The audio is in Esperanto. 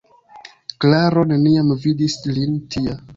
Klaro neniam vidis lin tia.